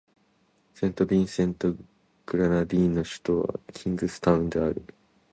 セントビンセント・グレナディーンの首都はキングスタウンである